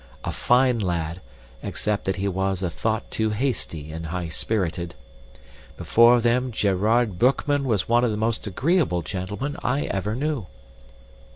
A fine lad, except that he was a thought too hasty and high spirited. Before then Gerard Boekman was one of the most agreeable gentlemen I ever knew."